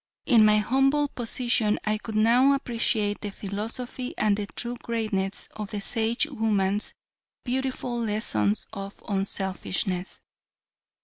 In my humble position I could now appreciate the philosophy and the true greatness of the Sagewoman's beautiful lessons of unselfishness.